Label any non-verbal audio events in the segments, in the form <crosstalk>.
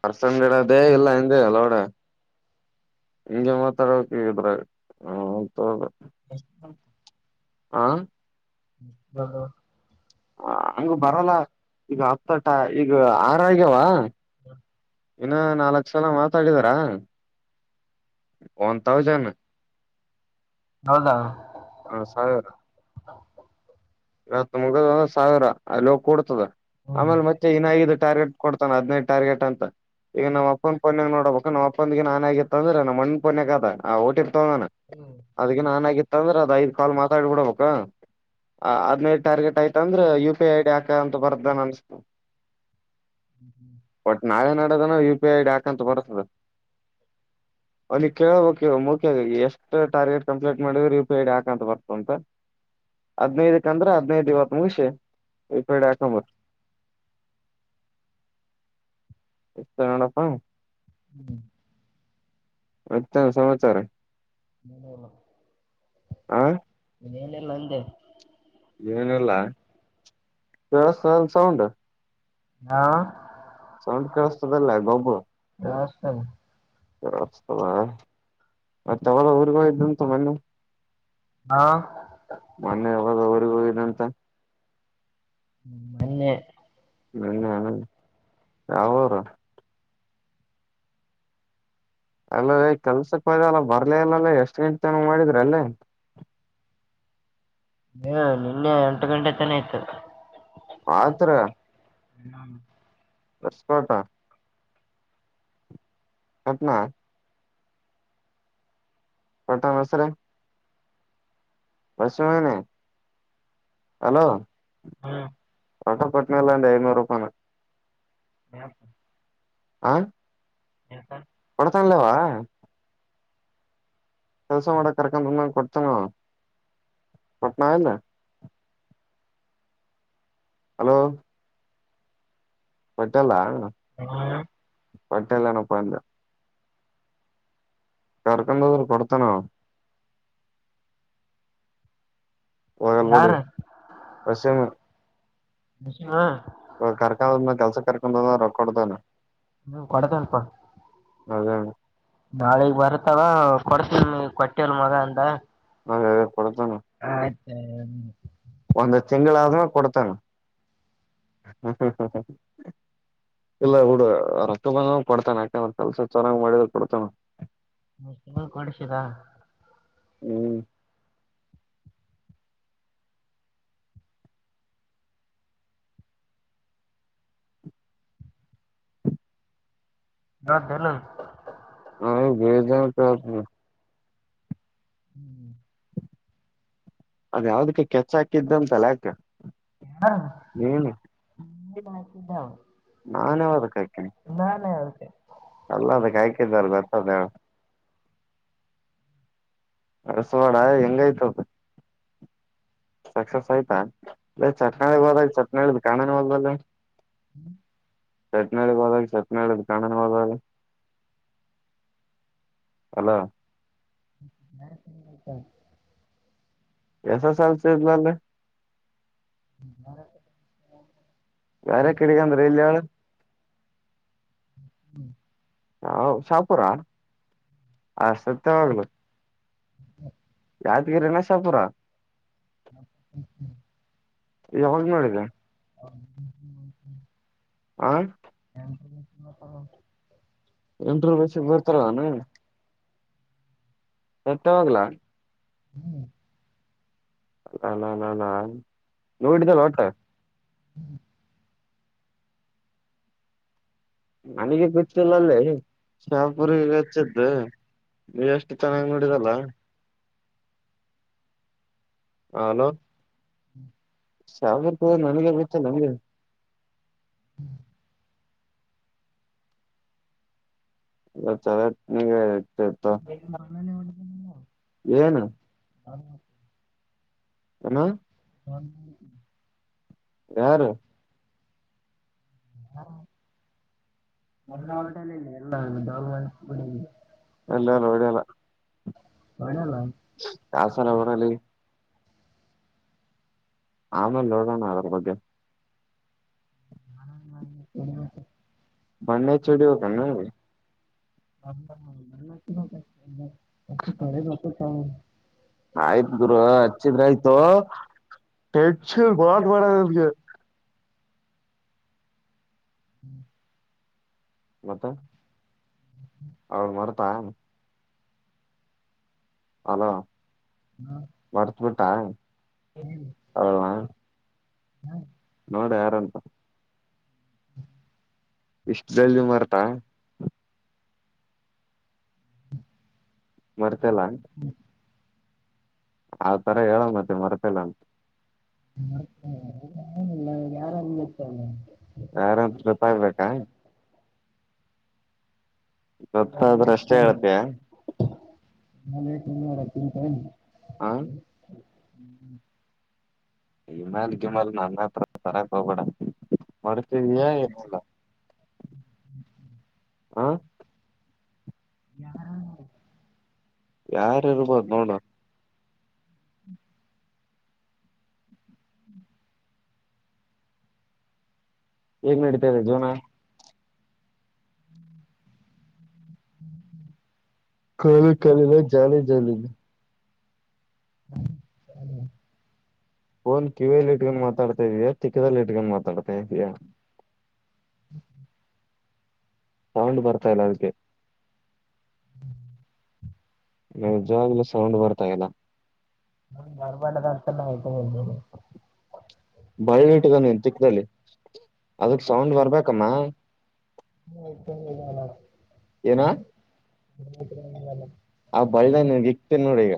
ಪರ್ಸ ಗಿಡದೇ ಇಲ್ಲ ಹಿಂದ ಅಲೋಡೆ ಹಗೆ ಮಾತಾಡಕ ಇದ್ರೆ ಹತದ <unintelligible> ನಿ <inaudible> ಹ ಹ ಹಂಗ ಬರಲ್ಲ ಈಗ ಹತಟ ಈಗ ಆರಾಗ್ಯವ ಹ <inaudible> ಇನ್ನ ನಾಲ್ಕ್ ಸಲ ಮಾತಾಡಿದಾರ ಒನ್ ತೌಸಂಡ್ ಹೌದಾ ಇತ್ ಮುಗ ಒ್ ಸಾವಿರ ಅಲ್ಲಿ ಹೋಗ ಕೂಡ್ತದ ಹ್ಮ್ ಆಮೇಲೆ ಮತ್ತೆ ನ ಆಗಿದ್ದ ಟಾರ್ಗೆಟ್ ಕೊಡ್ತಾನ ಹದಿನೈದು ಟಾರ್ಗೆಟ್ ಅಂತ ಈಗ ನಮ್ಮ ಅಪ್ಪನ ಪೊಯಾಗ ನೋಡಬೇಕ ನಮ್ಮ ಅಪ್ಪಂದಿಗೆ ನಾನನ್ ಆಗಿತ್ತ ಅಂದ್ರೆ ನಮ್ಮಣ್ಣ ಪೊನ್ೆಕ್ ಅದ ಆ ಟಿ ತಣ ಅದಕ್ಕೆ ನಾನನ್ಗ ಅಂದ್ರೆ ಅದ ಐದ್ ಕಾಲ್ ಮಾತಾಡ್ಬಡ್ಬೇಕ ಹದ್ನೈದು ಟಾರ್ಗೆಟ್ ಆಯ್ತ ಅಂದ್ರೆ ಯು ಪಿ ಐ ಐಡಿ ಹಾಕ ಅಂತ ಬರ್ದನ್ ಅನ್ಸ್ತು ಹ್ಮ ಹ್ಮ <inaudible> ನಾವೆ ಯಐ ಡಿ ಹಾಕ ಬರ್ತದೆ ಕ ಮುಯ ಎಷ್ಟು ಟಾರ್ ಕಂಟ್ ಮಾಡ ಯಿಐಡಿ ಬ ಹದಿನೈಂದ್ರ ಹದಿನೈದು ಇ ಮು ಯಐ ಡಿ ಹಾಕ ಬ ಎಷ್ಟ ನೋಡಪ್ಪ ಹ್ಮ್ <inaudible> ಅಚ್ಚಾ ಸಮಾಚಾರ ಆ ಇನಲ್ಲ ಎಂದ ಏನಿಲ್ಲ <inaudible> ಸೌಂಡ ಹ ಸೌಂಡ್ ಕೇಳಿಸತದಲ್ಲ ಗಾಬು <unintelligible> <inaudible> ಮತ್ತೆ ಅವಳ ಊರ್ಗ ಹೋಗಿದಂತೆ ಮೊನ್ನ ಹಾ ಮೊನ್ನೆ ಯಾವಾಗ ಊರಿಗೆ ಹೋಗಿದಂತೆ <unintelligible> ಮೊನ್ನೆ ಹ್ಮ್ ಹ್ಮ ಯಾವಊರು ಅಲ್ಲದ ಕೆಲ್ಸಕ್ಕ ಹೋದ್ರೆ ಬರ್ಲ ಇಲ್ಲಲ್ಲ ಎಷ್ಟ್ ಗಂಟೆ ಹಂಗೆ ಮಾಡಿದ್ರ ಅಲ್ಲೇ ಹ್ಮ ನಿನ್ನೆ ಹತ್ತು ಗಂಟೆತನ ಇತು ಆತ್ರ ಹ್ಮ <inaudible> ಎಕ್ಸ್ಪರ್ಟ್ <inaudible> ಪಟ್ಟನೋಸರೆ <inaudible> ಹಲೋ ಹಾ ಕೊಟ್ಟರು ಕೊಟ್ಟ ಒಂದು ಐನ್ನೂರು ರೂಪಾಯಿನ ಹ ಆ ಕೊಡ್ತಾನೆಲೆಹವ್ವ ಕೆಲ್ಸ ಮಾಡಕ್ ಕರ್ಕೊಂಡಂಗ ಕೊಡ್ತಾನ ಕೊಟ್ಣ ಏನ್ ಹಲೋ ಕೊಟ್ಟನಲ್ಲ <inaudible> ಕೊಟ್ಟನೇಲಪ್ಪ ಅಂದೇ ಕರ್ಕೊಂಡು ಹೋದ್ರೆ ಕೊಡತನ ಆವ ಹೋಗಲ್ಬಡಿ ಯಾರು <inaudible> ರಷ ಹಾ ಕೆಲಸ ಕರ್ಕೊಂಡ ಮೇಲೆ ಕೊಡ್ತಾನ ಹ್ಮ್ ಕೊಡೇತನಪ್ಪ ಅದೇಣ್ಣ ನಾಳಿಗ ಬರ್ತಾವ ಕೊಡ್ ಕೊಟ್ಟಿಲ್ ಮಗ ಅಂದ ಆ ಒಂದ ತಿಂಗಳು ಆದ್ರುನು ಕೊಡ್ತಾನ ಇಲ್ಲ ಬಿಡು ರೊಕ್ಕಬಂದ್ರೆಅವನು ಕೊಡ್ತಾನೇ ಯಾಕಂದ್ರೇ ಕೆಲ್ಸ ಚೆನ್ನಾಗಿ ಮಾಡಿದ್ರೆ ಕೊಡ್ತಾನವನು. ಮ ಕೊಡಿಸದಾ ಹ್ಮ್. <unintelligible> ಹಾ ಬದ ಹ ಹ ಹ್ಮ್. ಅದು ಯಾವುದ್ಕೋ ಕೆಚ್ ಹಾಕಿದ್ದಂತಲ್ಲ ಯಾಕೆ. ಹಾ. ದ <unintelligible> ನಾನು ಯಾವದಕ್ ಹಾಕೀನಿ ಹೇಳ್ತೆ ಎಲ್ಲ ಅದಕ್ ಹಾಕಿದಾರ ಗತ್ತ. ಅರ್ಸ ಮಾಡಣ ಹೆಂಗೈತದ. ಸಕ್ಸಸ್ ಆಯ್ತಾ. ಚಟ್ನೋದ ಚಟ್ನ ಕಾಣ ಹಲ್ಬಲ್ಲ. ಚಟ್ನಾಳ್ಳಗ್ ಹೋದಾಗ ಚಟ್ನಾಳ್ಳ ಕಣನ ಹೋದಾಗ. ಹಲೋ. ಹತ <unintelligible> ಎಸ್ ಎಸ್ ಎಲ್ ಸಿ ಇದ್ನಲ್ಲೇ. ಹ್ಮರ <unintelligible> ಬೇರೆ ಕಡೆಗ ಅಂದ್ರೆ ಇಲ್ಲಿ ಹೇಳ ಹ್ಮ್. ಹಾ ಶಾಪುರ ಆ ಸತ್ಯವಾಗ್ಲು. ಯಾದಗಿರಿ ನಾ ಶಾಪುರ. ಹ ಹ ಹ. ಯಾವಾಗ ನೋಡಿದೆ. ಅವ್ರ ಆ. <inaudible> ಎಂಟ್ರಷ ಬರ್ತಾರಾನ ಸತ್ತವಾಗ್ಲ. ಹ್ಮ್. ನಾನ ನಾನ ನೋಡಿದ್ದಲ್ಲ ಹೊಟ್ಟು. ಹ್ಮ್. ನನಗೆ ಗೊತ್ತಿಲ್ಲಲ್ಲೇ ಅಲ್ಲಿ ಶಾಪುರ್ ಗಚ್ಚಿದ್ದು ನೀ ಎಷ್ಟು ಚೆನ್ನಾಗ್ ನೋಡಿರಲ್ಲ ಹಲೋ. ಶಾಪುರ ಹೋಗೋನು ನನಗೆ ಗೊತಿಲ್ಲಂಗೆ. ಇ ಚಲ ಸತ ಏನು ಬಂದಾನೆ ಏನು. ಹ. ಹ ಹ ಯಾರು. ಹಾ. ಹೋಟಲಲ್ಲಿ. ನಾ ಇಲ್ಲ ಬಿಡ ಎಲ್ಲ ನೋಡಲ್ಲ ಹೊಡಲ್ಲ ಕಾಸಾನ ಅವರಲ್ಲಿ ಆಮೇಲೆ ನೋಡೋಣ ಅದ್ರ ಬಗ್ಗೆ ನ ಬಣ್ಣೆ ಚೂಡಿ ಹೋಗಣ ನಂಗೆ ಹ ಇ ಅ ಕಡೆ ಪ್ರಪ ಹೌ ಆಯ್ತ್ ಗುರು ಹಚ್ಚಿದ್ರ ಆಯ್ತು ಬಾ ಮಾಡ ನಮಗೆ ಹ್ಮ್ ಮತ್ತ ಹ್ಮ ಅವಳ ಮರ್ತಾ ಹಲೋ ಹ್ಮ ಹಾ ಅವಳನಾ ಹ್ಮ ಹೌದ ಯಾರಂತ ಇಷ್ಟಲ್ಲಿ ಮರ್ತಾ ಮರ್ತಲ್ಲಾ ಆ ತರ ಹೇಳ ಮತ್ತೆ ಮರ್ತಲ್ಲ ಅಂತ ಹ ಯಾರ ಯಾರಂತ ಗೊತ್ತಾಗ್ಬೇಕಾ ಗೊತ್ತಾದ್ರ ನಾನೆ ಅಷ್ಟೇ ಹೇಳ್ತಯ ನಾನೆನ್ನರ ತಿಟ ಹ್ಮ್ ಹ ಇಮಾಲಗಿಮಾಲ ನನ್ನ ಹತ್ರ ತರಕ್ ಹೋಗಬೇಡ ಮರ್ತಿದೀಯಾ ಏನಿಲ್ಲ ಹ ಯಾರ ಯಾರಿರಬಹುದು ನೋಡ <unintelligible> ಹೇಗ್ ನಡೀತಾ ಇದೆ ಜೀವನ ಖಾಲಿ ಖಾಲಿನೆ ಜಾಲಿ ಜಾಲಿನೆ <unintelligible> ಫೋನ್ ಕಿವಿಲಿ ಇಟ್ಕೊಂಡ ಮಾತಾಡ್ತಾಯಿದಿಯ ತಿಕ್ಕದಲ್ಲಿ ಇಟ್ಕೊಂಡ ಮಾತಾಡ್ತಾಯಿದಿಯಾ ಸೌಂಡ್ ಬರ್ತಾ ಇಲ್ಲ ಅದಕ್ಕೆ ನಿಜಾ ಸೌಂಡ್ ಬರ್ತಾ ಇಲ್ಲ ಹಾ ಬರ್ಬಾರ್ದ <inaudible> ಬಳ್ಳ ಇಟ್ಕ ನೀನ್ ತಿಕ್ಕದಲ್ಲಿ ಅದಕ್ ಸೌಂಡ್ ಬರ್ಬೇಕಮ್ಮ <inaudible> ಏನು <inaudible> ಆ ಬಲ್ದಾಗ ಇಕ್ತಿನಿ ನೋಡು ಈಗ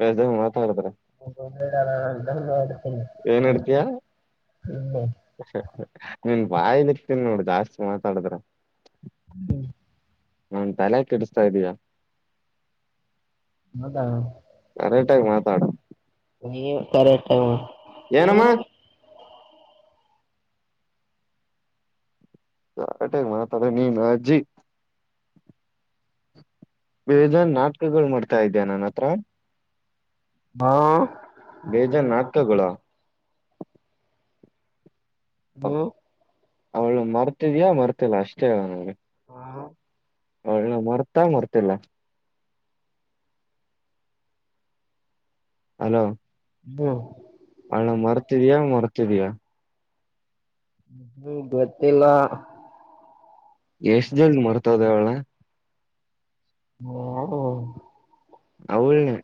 ಜಾಸ್ತಿ ಮಾತಾಡ್ರೆ <inaudible> ಏನಡ್ತೀಯ ನಿನ್ ಬಾಯಲಿಕ್ತೀನಿ ನೋಡ್ ಜಾಸ್ತಿ ಮಾತಾಡುದ್ರೆ ಹ್ಮ ಹಾ ತಲೆ ಕೆಡಿಸತಾ ಇದ್ದಯಾ ಹೌದ ಮಾತಾಡು ನಿನ್ ಕರೆಕ್ಟ್ ಹ್ಮ್ ಏನಮ್ಮ ಕರೆಕ್ಟ್ ಹಾಗಿ ಮಾತಾಡು ನಿಮ್ಮ್ ಅಜ್ಜಿ ಬೇಜಾನ್ ನಾಟಕಗಳು ಮಾಡ್ತಾ ಇದ್ಯಾ ನನ್ ಹತ್ರ ಹಾ ಬೇಜಾನ್ ನಾಟಕಗಳು ಹ್ಮ್ ಅವಳು ಮರ್ತಿದ್ಯಾ ಮರ್ತಿಲ್ಲ ಅಷ್ಟೇ ಹೇಳ ನನಗೆ ಹಾ ಅವಳ ಮರ್ತಾ ಮರ್ತಿಲ್ಲ ಹಲೋ ಹ್ಮ ಅವಳನ್ನ ಮರ್ತಿದ್ಯಾ ಮರ್ತಿದಿಯಾ ಹ್ಮ ಬತ್ತಲ್ಲಾ ಎಷ್ಟು ಜಲ್ದಿ ಮರೆತು ಹೋದೆ ಅವ್ಳ್ನ ಹ್ಮ <inaudible> ಅವಳನೆ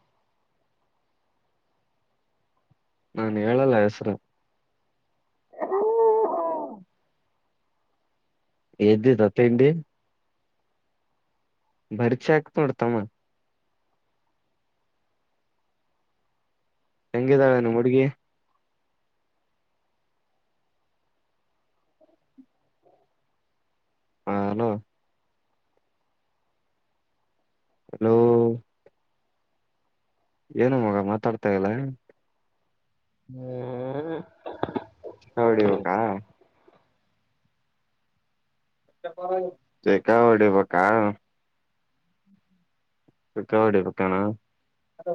ನಾನ್ ಹೇಳಲ್ಲ ಹೆಸರು ಹ ಹ ಎ್ದಿ ದತ್ತೇಿ <unintelligible> ಭರಿಚ್ಕತಿಡ್ತಮ್ಮ ಹೆಂಗಿದಾಳನು ಮುುಡುಗಿ ಹಲೋ ಹಲೋ ಏನ ಮಗ ಮಾತಾಡ್ತಾ ಇಲ್ಲ ಹ್ಮ್ ಹೌಡಿವಕಾ ಚೆಕ ಒಡೆ ಬಕ್ಕಾ ಕವಾಡ್ಡಿ ಬಣ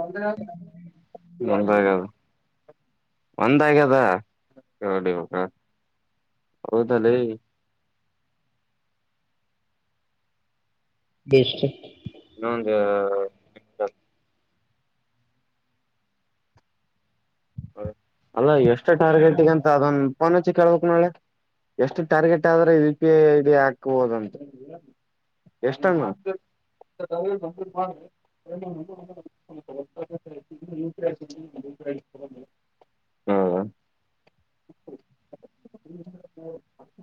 ಒಂದ ಒಂದಾಗದ ಕ ಬ ಹೌದ ಬಷ್ಟಟ್ ಇನ್ನೊಂದು ಅಲ್ಲ ಎಷ್ಟು ಟಾರ್ಗೆಟಗ ಅಂತ ಅದೊನ್ ಪನ್ಚ್ಚಿ ಕೇಳ್ಬೇಕಕ್ ನೋಳೆ ಎಷ್ಟು ಟಾರ್ಗೆಟ್ ಆದ್ರೆ ಇ ಪಿ ಐ ಇಡಿ ಹಾಕ್ಬೋದಂತ ಎಷ್ಟಂಗ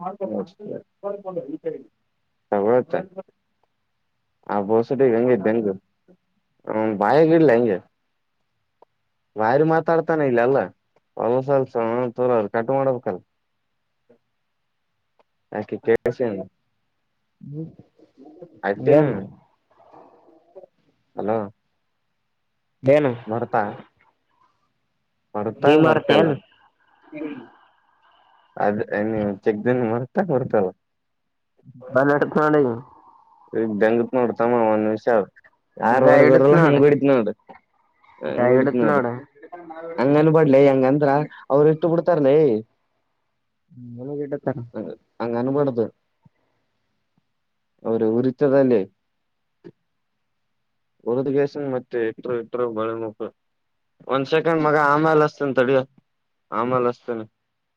ಹೌದ ತಗ ಆ ಬಸಟಿಗೆ ಹಂಗಂಗು ಬಾಯಗ ಇಡ್ಲ್ಲ ಹಂಗೆ ಬಾಯರ್ ಮಾತ್ರ ಮಾತಾಡ್ತಾನೆ ಇಲ್ಲ ಅಲ್ಲ ಹೊಲಸಲ್ಸ ತರ ಕಟ್ ಮಾಡ್ಬೇಕಲ್ ಯಾಕೆ ಕಳ್ಸ ಹ್ಮ್ ಏನು ಹಲೋ ಏನು ಭರ್ತಾ ಬಿಮಾರತಲ್ಲ ಅದ ನೀವು ಚೆಕ್ದನ್ ಮರ್ತಾ ಬರ್ತಲ್ಲ ಬತ <unintelligible> ಈಗ ಬೆಂಗತ್ ನೋಡ್ತಮ್ಮ ಒಂದ ಹೌ ಯಾರ್ ಗಾಯ ಇಡತ್ ಹೊಡದ್ರಲ್ಲ ನೋಡ ಹಂಗಡತ್ ನೋ್ದ ಗಾಯ ಹಂಗಡಿತ ಇಡತ್ ನೋದು ನೋಡ ಹಂಗನ್ಬಡ್ಲಿ ಹಂಗಂತ್ರ ಅವರು ಇಷ್ಟ ಬಿಡ್ತಾರನ ಹ್ಮ ಎಲ್ಲಿಗಿಡತಾರ ಹಂಗನ್ಬಡ್ದ ಅವ್ರ ಉುರಿತದಲ್ಲಿ ಹರದ್ಗಸನ್ ಮತ್ತೆ ಇಟ್ಟರು ಇಟ್ಟರು ಬಳೆ ಮುಕ್ ಒಂದ್ ಸೆಕೆಂಡ್ ಮಗ ಆಮೇಾಲ ಹಸ್ತನ್ ತಡಿಯೋ ಆಮೇಲೆ ಹಸ್ತೇನ